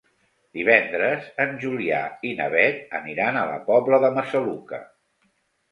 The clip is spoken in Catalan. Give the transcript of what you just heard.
Divendres en Julià i na Beth aniran a la Pobla de Massaluca.